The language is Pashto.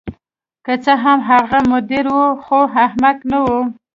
که څه هم هغه مدیر و خو احمق نه و